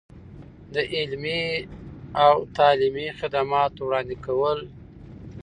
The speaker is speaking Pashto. د علمي او تعلیمي خدماتو وړاندې کول.